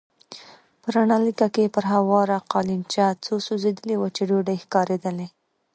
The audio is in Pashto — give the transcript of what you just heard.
په رڼه لېکه کې پر هواره قالينچه څو سوځېدلې وچې ډوډۍ ښکارېدلې.